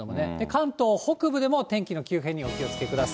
関東北部でも天気の急変にお気をつけください。